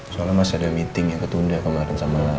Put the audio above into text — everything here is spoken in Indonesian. soalnya masih ada meeting ya ketunda kemarin sama